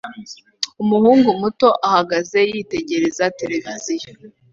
Umuhungu muto ahagaze yitegereza televiziyo